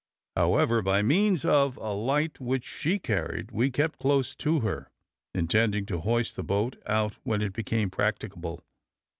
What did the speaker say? However, by means of a light which she carried, we kept close to her, intending to hoist the boat out when it became practicable.